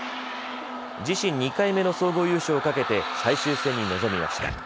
自身２回目の総合優勝をかけて最終戦に臨みました。